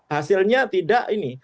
hasilnya tidak ini